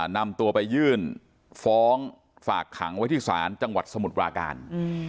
นำตัวไปยื่นฟ้องฝากขังไว้ที่ศาลจังหวัดสมุทรปราการ